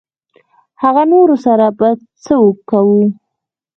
هغه نورو سره به څه کوو.